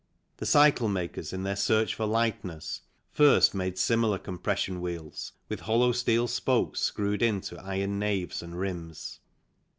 The cycle makers, in their search for lightness, first made similar compression wheels, with hollow steel spokes screwed into iron naves and rims.